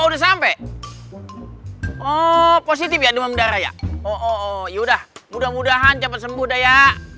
udah sampai oh positif ya demam darah ya oh oh yaudah mudah mudahan dapat sembuh daya